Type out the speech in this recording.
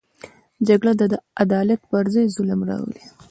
جګړه د عدالت پر ځای ظلم راولي